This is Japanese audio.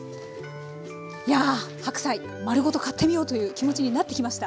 やあ白菜丸ごと買ってみようという気持ちになってきました。